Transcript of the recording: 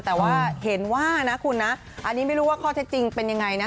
แต่ว่าเห็นว่านะคุณนะอันนี้ไม่รู้ว่าข้อเท็จจริงเป็นยังไงนะ